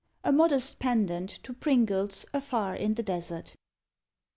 _ (A MODEST PENDANT TO PRINGLE'S "AFAR IN THE DESERT.")